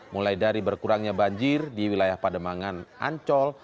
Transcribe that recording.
mulai dari berkurangnya banjir di wilayah pademangan ancol